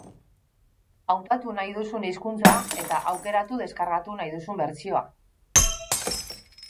Hautatu nahi duzun hizkuntza eta aukeratu deskargatu nahi duzun bertsioa.